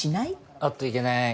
おっといけない。